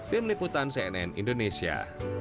tim liputan cnn indonesia